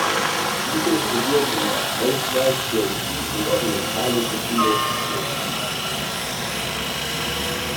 Giese studierte in Greifswald Theologie und orientalische Philologie.